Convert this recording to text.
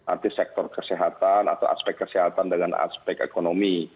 artis sektor kesehatan atau aspek kesehatan dengan aspek ekonomi